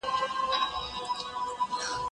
زه اوس زده کړه کوم